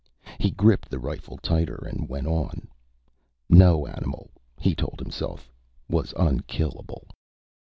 He gripped the rifle tighter and went on. No animal, he told himself, was unkillable.